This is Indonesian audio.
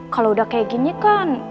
kalau udah kayak gini kan